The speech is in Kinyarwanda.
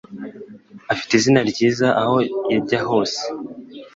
Afite izina ryiza aho yajya hose.